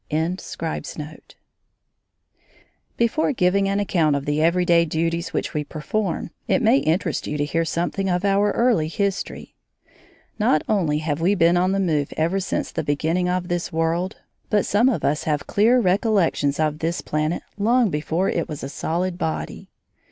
CHAPTER V MY EARLIEST RECOLLECTIONS Before giving an account of the everyday duties which we perform, it may interest you to hear something of our early history. Not only have we been on the move ever since the beginning of this world, but some of us have clear recollections of this planet long before it was a solid body.